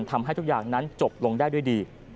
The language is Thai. ทำให้ทุกอย่างนั้นจบลงได้ด้วยดี